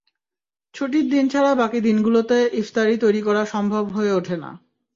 ছুটির দিন ছাড়া বাকি দিনগুলোতে ইফতারি তৈরি করা সম্ভব হয়ে ওঠে না।